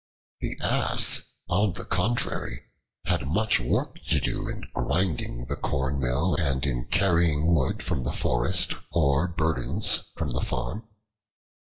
The Ass, on the contrary, had much work to do in grinding the corn mill and in carrying wood from the forest or burdens from the farm.